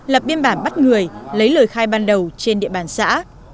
lập biên bản bắt người lấy lời khai ban đầu trên địa bàn xã